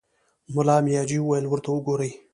ملا مياجي وويل: ورته وګورئ!